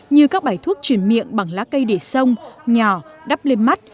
như các bài thuốc chuyển miệng bằng lá cây để sông nhỏ đắp lên mắt